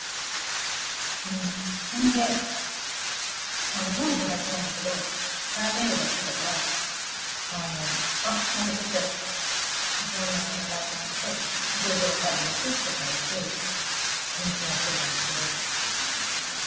であの文章入ってないんだけど空メールが来てたからあっ何かちょっと不安なんだろうなと思って「５時ごろ帰ります」って書いて返信はしといたんですけど。